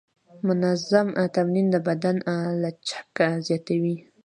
منظم تمرین د بدن لچک زیاتوي.